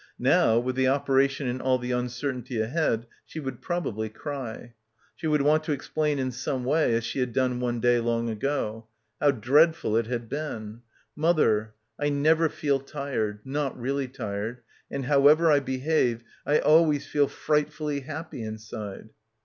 Now, with the operation and all the un certainty ahead she would probably cry. She would want to explain in some way, as she had done one day long ago ; how dreadful it had been ... mother, I never feel tired, not really tired, and however I behave I always feel frightfully happy inside